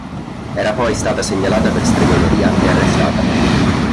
Era poi stata segnalata per stregoneria e arrestata.